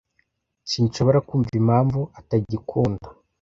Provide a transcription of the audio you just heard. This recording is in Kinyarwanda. Sinshobora kumva impamvu atagikunda.